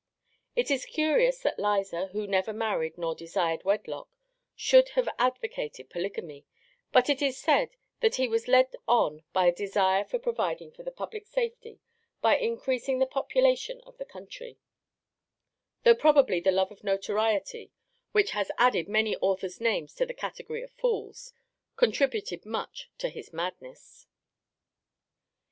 It is curious that Lyser, who never married nor desired wedlock, should have advocated polygamy; but it is said that he was led on by a desire for providing for the public safety by increasing the population of the country, though probably the love of notoriety, which has added many authors' names to the category of fools, contributed much to his madness.